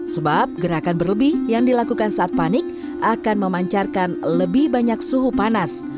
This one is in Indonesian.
sebab gerakan berlebih yang dilakukan saat panik akan memancarkan lebih banyak suhu panas